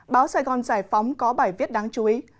báo sài gòn giải phóng có bài viết đáng chú ý